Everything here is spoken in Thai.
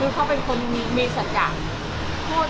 คือเขาเป็นคนมีมีสัญญาณพูดคำไหนคำนั้น